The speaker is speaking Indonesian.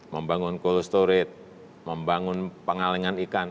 membangun kolo storage membangun pengalengan ikan